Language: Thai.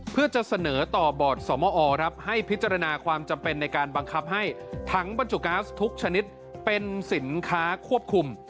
เพื่อจะเสนอต่อบอร์ดสมอให้พิจารณาความจำเป็นในการบังคับให้ถังบรรจุก๊าซทุกชนิดเป็นสินค้าควบคุม